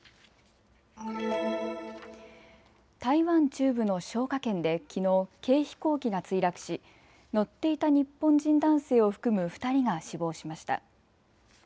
台湾中部の彰化県できのう軽飛行機が墜落し乗っていた日本人男性を含む２人が死亡しました。